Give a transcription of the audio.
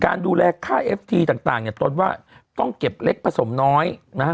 ดูแลค่าเอฟทีต่างเนี่ยตนว่าต้องเก็บเล็กผสมน้อยนะฮะ